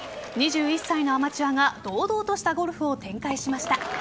２１歳のアマチュアが堂々としたゴルフを展開しました。